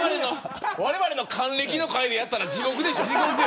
われわれの還暦の会でやったら地獄でしょ。